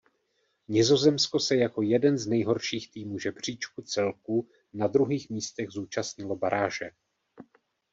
Nizozemsko se jako jeden z nejhorších týmů žebříčku celků na druhých místech zúčastnilo baráže.